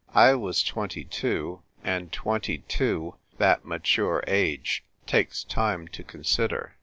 I was twenty two; and twenty two, that mature age, takes time to consider.